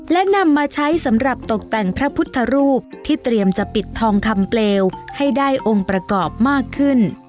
และนำมาใช้สำหรับตกแต่งพระพุทธรูปที่เตรียมจะปิดทองคำเปลวให้ได้องค์ประกอบมากขึ้น